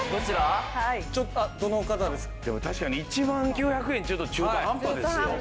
でも確かに１万９００円ちょっと中途半端ですよ。